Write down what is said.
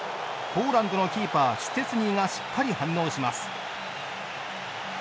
ポーランドのキーパーシュチェスニーがしっかり反応します。